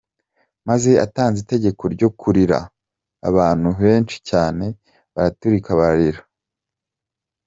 Maze atanze itegeko ryo kurira, abantu benshi cyane baraturika bararira.